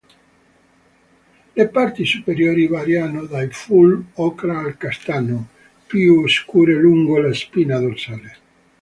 Le parti superiori variano dal fulvo-ocra al castano, più scure lungo la spina dorsale.